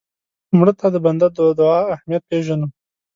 مړه ته د بنده د دعا اهمیت پېژنو